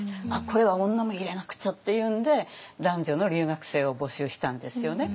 これは女も入れなくちゃっていうんで男女の留学生を募集したんですよね。